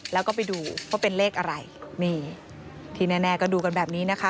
แล้วก็ไปดูว่าเป็นเลขอะไรนี่ที่แน่ก็ดูกันแบบนี้นะคะ